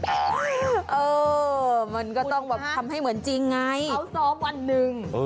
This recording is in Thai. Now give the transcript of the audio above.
เออมันก็ต้องแบบทำให้เหมือนจริงไงเขาซ้อมวันหนึ่ง